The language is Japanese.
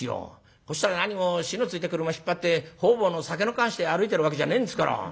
そしたらなにも火のついた車引っ張って方々の酒の燗して歩いてるわけじゃねえんですから。